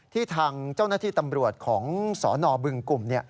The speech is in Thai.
ทางเจ้าหน้าที่ตำรวจของสนบึงกลุ่ม